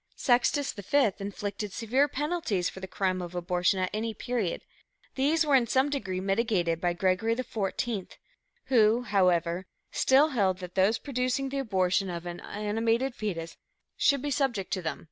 Sextus V inflicted severe penalties for the crime of abortion at any period; these were in some degree mitigated by Gregory XIV, who, however, still held that those producing the abortion of an animated foetus should be subject to them, viz.